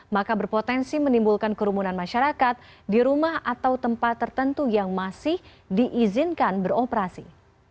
maka berpotensi menimbulkan kerumunan masyarakat di rumah atau tempat tertentu yang masih diizinkan beroperasi